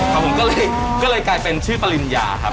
ผมก็เลยกลายเป็นชื่อปริญญาครับ